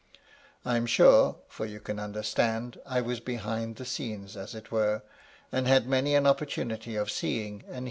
I am sure — ^for you can understand I was behind the scenes, as it were, and had many an opportunity of seeing and MY LADY LUDLOW.